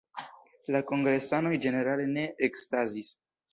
La kongresanoj ĝenerale ne ekstazis.